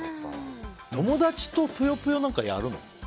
友達と「ぷよぷよ」なんかやるの？